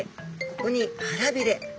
ここにはらびれ。